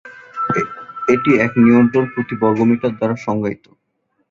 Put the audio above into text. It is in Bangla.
এটি এক নিউটন প্রতি বর্গমিটার দ্বারা সংজ্ঞায়িত।